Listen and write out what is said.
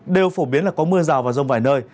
đều phổ biến là có mưa rào và rông vài nơi